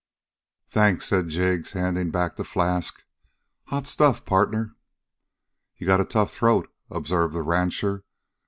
"Thanks," said Jig, handing back the flask. "Hot stuff, partner." "You got a tough throat," observed the rancher.